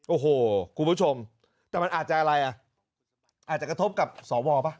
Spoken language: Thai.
โอ้โหคุณผู้ชมแต่มันอาจจะอะไรอ่ะอาจจะกระทบกับสวป่ะ